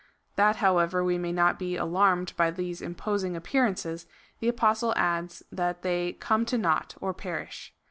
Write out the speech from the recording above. That, however, we may not be alarmed by these imposing appearances, the Apostle adds, that they come to nought, or perish.